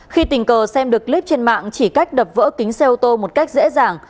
khi tình cờ xem được clip trên mạng chỉ cách đập vỡ kính xe ô tô một cách dễ dàng